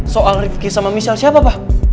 soal rifki sama michelle siapa pak